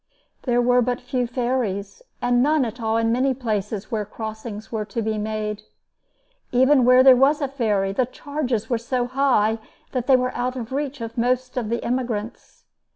There were but few ferries, and none at all in many places where crossings were to be made. Even where there was a ferry, the charges were so high that they were out of reach of most of the emigrants.